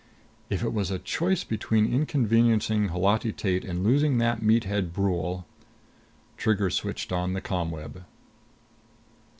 If it was a choice between inconveniencing Holati Tate and losing that meathead Brule Trigger switched on the ComWeb.